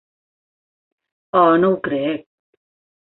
Oh, no ho crec.